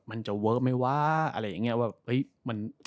มันจะเวิร์คมั้ยว่าอะไรอย่างเงี้ย